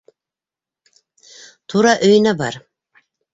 - Тура өйөнә бар.